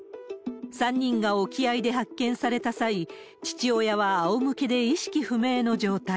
３人が沖合で発見された際、父親はあおむけで意識不明の状態。